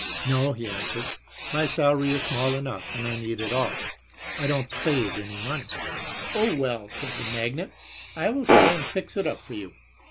"No," he answered. "My salary is small enough and I need it all. I don't save any money." "Oh, well," said the magnate, "I will try and fix it up for you.